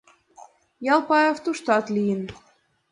Ялпаев туштат лийын.